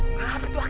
ya ampun aki